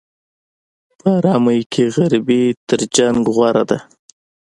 په ارامۍ کې غریبي تر جنګ غوره ده.